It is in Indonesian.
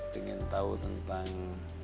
pengen tau tentang